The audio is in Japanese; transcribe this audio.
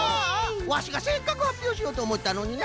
ワシがせっかくはっぴょうしようとおもったのにな。